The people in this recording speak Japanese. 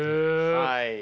はい。